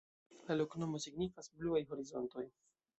La loknomo signifas: bluaj horizontoj.